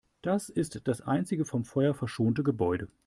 Dies ist das einzige vom Feuer verschonte Gebäude.